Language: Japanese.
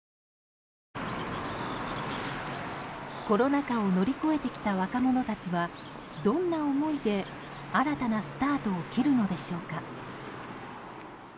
コロナ禍を乗り越えてきた若者たちはどんな思いで新たなスタートを切るのでしょうか。